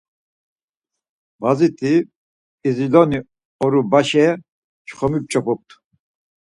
Baziti P̌iziloni Orubaşe çxomi p̌ç̌opumt.